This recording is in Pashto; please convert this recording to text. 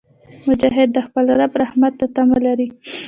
مجاهد د خپل رب رحمت ته تمه لري.